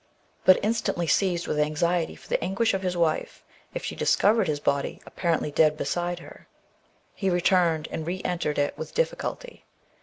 But instantly seized with anxiety for the anguish of his wife, if she discovered his body apparently dead beside her, he 11 162 THE BOOK OF WEBE WOLVES. returned, and re entered it with difficulty.